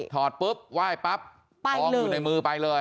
ปุ๊บไหว้ปั๊บทองอยู่ในมือไปเลย